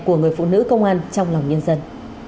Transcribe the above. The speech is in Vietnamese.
của người phụ nữ công an trong lòng nhân dân